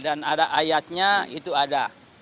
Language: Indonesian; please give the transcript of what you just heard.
ada ayatnya itu ada